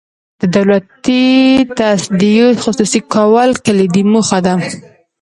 د دولتي تصدیو خصوصي کول کلیدي موخه ده.